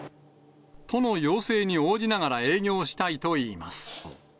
都の要請に応じながら営業したいといいます。